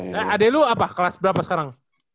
nah adek lu apa kelas berapa sekarang